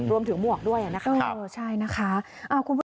รวมถึงหมวกด้วยนะครับ